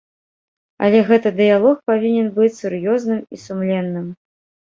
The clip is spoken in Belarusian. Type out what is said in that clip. Але гэты дыялог павінен быць сур'ёзным і сумленным.